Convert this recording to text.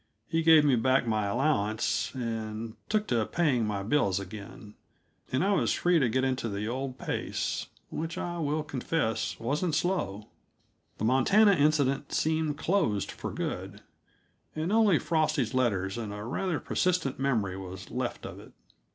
He gave me back my allowance and took to paying my bills again, and I was free to get into the old pace which I will confess wasn't slow. The Montana incident seemed closed for good, and only Frosty's letters and a rather persistent memory was left of it.